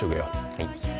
はい。